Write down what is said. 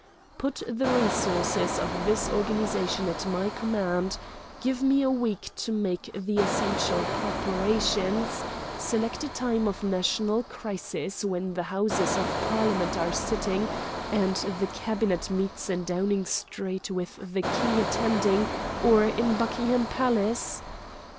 Put the resources of this organization at my command, give me a week to make the essential preparations, select a time of national crisis when the Houses of Parliament are sitting and the Cabinet meets in Downing Street with the King attending or in Buckingham Palace